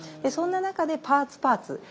そんな中でパーツパーツ